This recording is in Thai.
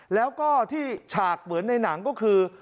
แล้วก็ที่ฉากเหมือนในหนังก็คือ